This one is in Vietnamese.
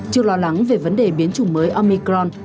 trước lo lắng về vấn đề biến chủng mới omicron